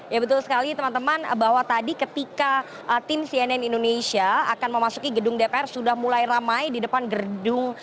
ya betul sekali teman teman bahwa tadi ketika tim cnn indonesia akan memasuki gedung dpr sudah mulai ramai di depan gedung